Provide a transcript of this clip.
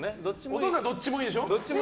お父さんどっちもいいでしょ？